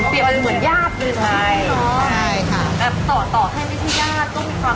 มันเกี่ยวกับเหมือนญาติมัน